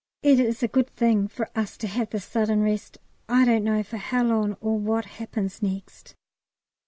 It is a good thing for us to have this sudden rest. I don't know for how long or what happens next.